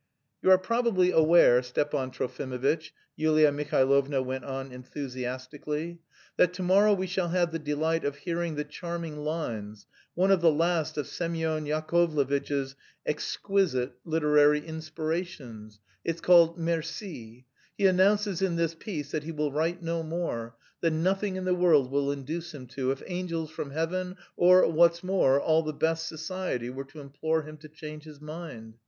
"You are probably aware, Stepan Trofimovitch," Yulia Mihailovna went on enthusiastically, "that to morrow we shall have the delight of hearing the charming lines... one of the last of Semyon Yakovlevitch's exquisite literary inspirations it's called Merci. He announces in this piece that he will write no more, that nothing in the world will induce him to, if angels from Heaven or, what's more, all the best society were to implore him to change his mind.